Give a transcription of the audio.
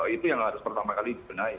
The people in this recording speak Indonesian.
itu yang harus pertama kali dibenahi